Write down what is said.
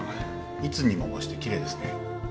いつにも増して奇麗ですね。